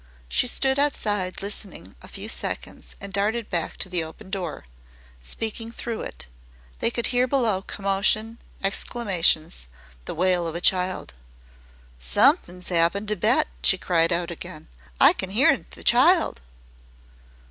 She stood outside listening a few seconds and darted back to the open door, speaking through it. They could hear below commotion, exclamations, the wail of a child. "Somethin's 'appened to Bet!" she cried out again. "I can 'ear the child."